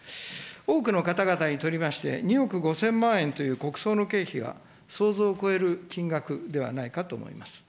多くの方々にとりまして、２億５０００万円という国葬の経費は想像を超える金額ではないかと思います。